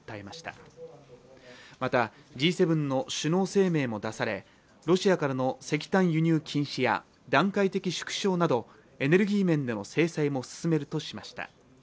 またＧ７の首脳声明も出され、ロシアからの石炭輸入禁止や段階的縮小などエネルギー面での制裁も進めるとしました。